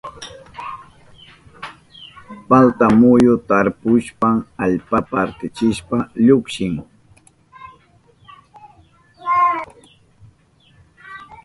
Palta muyu tarpushpan allpata partichishpa llukshin.